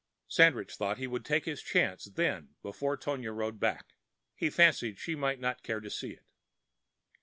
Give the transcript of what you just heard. Sandridge thought he would take his chance then before Tonia rode back. He fancied she might not care to see it.